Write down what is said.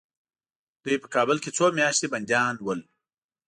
دوی په کابل کې څو میاشتې بندیان ول.